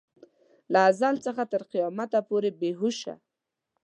له ازل څخه تر قیامته پورې بې هوشه.